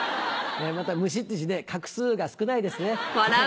また「虫」っていう字画数が少ないですね。